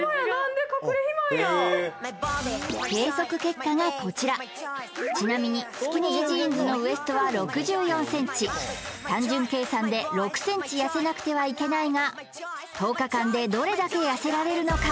数値が計測結果がこちらちなみにスキニージーンズのウエストは６４ｃｍ単純計算で６ｃｍ痩せなくてはいけないが１０日間でどれだけ痩せられるのか？